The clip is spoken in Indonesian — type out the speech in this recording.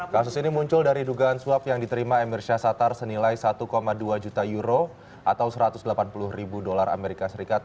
kasus ini muncul dari dugaan suap yang diterima emir syahsatar senilai satu dua juta euro atau satu ratus delapan puluh ribu dolar as